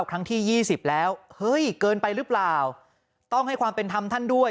ครั้งที่ยี่สิบแล้วเฮ้ยเกินไปหรือเปล่าต้องให้ความเป็นธรรมท่านด้วย